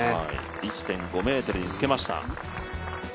１．５ｍにつけました。